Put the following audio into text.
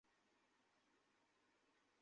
ঘুমের ইচ্ছে করে তারা লেপের জন্য পরামর্শ করতে লাগল।